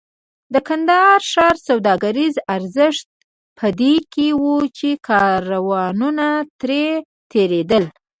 د کندهار ښار سوداګریز ارزښت په دې کې و چې کاروانونه ترې تېرېدل.